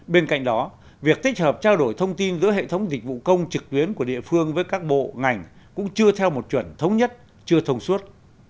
bên cạnh đó việc tích hợp trao đổi thông tin giữa hệ thống dịch vụ công trực tuyến của địa phương với các bộ ngành cũng chưa theo một chuẩn thống nhất chưa thông suốt